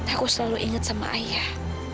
aku selalu inget sama ayah